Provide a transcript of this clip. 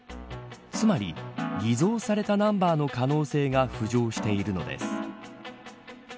つまり、偽装されたナンバーの可能性が浮上しているのです。